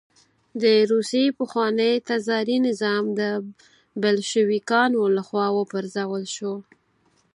د روسیې پخوانی تزاري نظام د بلشویکانو له خوا وپرځول شو